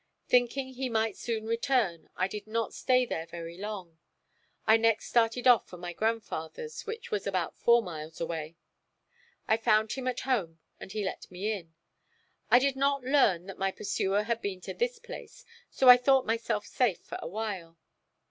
Thinking he might soon return I did not stay there very long. I next started off for my grandfather's, which was about four miles away. I found him at home and he let me in. I did not learn that my pursuer had been to this place, so I thought myself safe for a while.